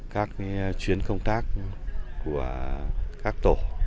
các chuyến công tác của các tổ